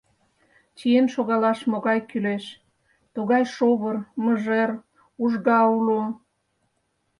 Чиен шогалаш могай кӱлеш, тугай шовыр, мыжер, ужга уло...